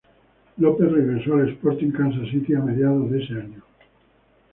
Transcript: Lopez regresó al Sporting Kansas City a mediados de ese año.